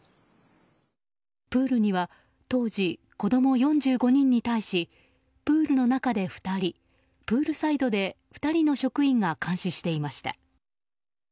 プールには当時、子供４５人に対しプールの中で２人プールサイドで２人の職員が監視していました。